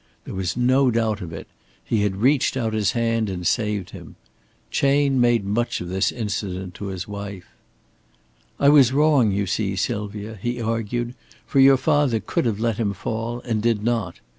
There was no doubt of it. He had reached out his hand and saved him. Chayne made much of this incident to his wife. "I was wrong you see, Sylvia," he argued. "For your father could have let him fall, and did not.